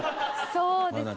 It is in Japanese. そうですね。